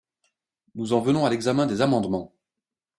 Nous en venons à l’examen des amendements.